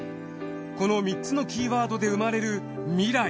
この３つのキーワードで生まれる未来。